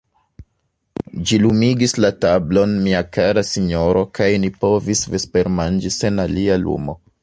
Ĝi lumigis la tablon, mia kara sinjoro, kaj ni povis vespermanĝi sen alia lumo.